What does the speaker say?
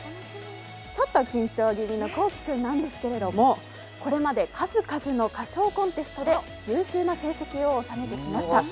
ちょっと緊張気味の聖君なんですけど、これまで数々の歌唱コンテストで優秀な成績を収めてきました。